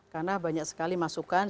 karena banyak sekali masukan